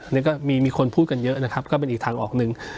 นี่ก็มีคนพูดกันเยอะนะครับก็เป็นอีกทางออกหนึ่ง